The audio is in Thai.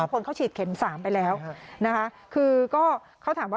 พวกเขาฉีดเข็ม๓ไปแล้วนะคะ